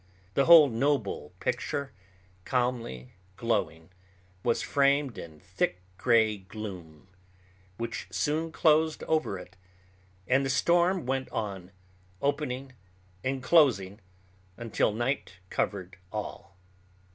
The whole noble picture, calmly glowing, was framed in thick gray gloom, which soon closed over it; and the storm went on, opening and closing until night covered all.